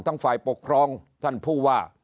ฝ่ายปกครองท่านผู้ว่า